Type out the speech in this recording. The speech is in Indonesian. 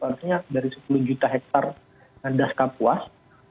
artinya dari sepuluh juta hektare das kapuas